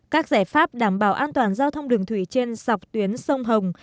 các giải pháp đảm bảo an toàn giao thông đường thủy trên dọc tuyến sông hồng